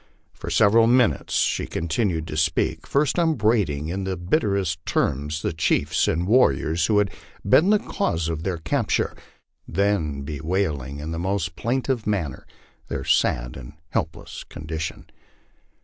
For several minutes she continued to speak, first upbraiding in the bitterest terms the chiefs and war riors who had been the cause of their capture, then bewailing in the most plain tive manner their sad and helpless condition.